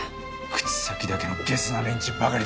口先だけのゲスな連中ばかりだ。